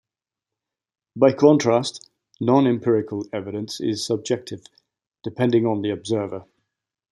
By contrast, non-empirical evidence is subjective, depending on the observer.